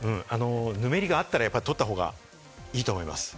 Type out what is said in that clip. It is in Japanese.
ぬめりがあったら取った方がいいと思います。